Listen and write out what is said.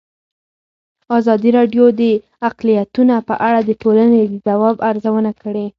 ازادي راډیو د اقلیتونه په اړه د ټولنې د ځواب ارزونه کړې.